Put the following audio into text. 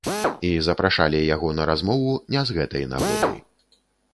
І запрашалі яго на размову не з гэтай нагоды.